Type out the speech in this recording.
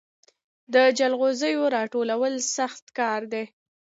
د جلغوزیو راټولول سخت کار دی